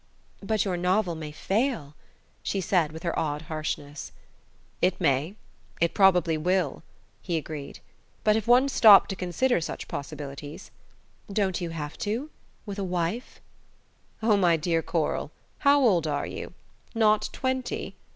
"But your novel may fail," she said with her odd harshness. "It may it probably will," he agreed. "But if one stopped to consider such possibilities " "Don't you have to, with a wife?" "Oh, my dear Coral how old are you? Not twenty?"